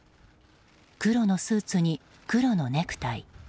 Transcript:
黒のスーツに黒のネクタイ。